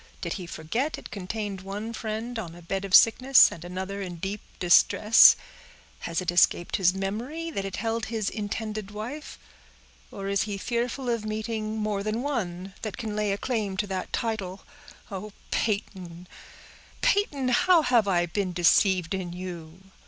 Did he forget it contained one friend on a bed of sickness, and another in deep distress? Has it escaped his memory that it held his intended wife? Or is he fearful of meeting more than one that can lay a claim to that title? Oh, Peyton—Peyton, how have I been deceived in you!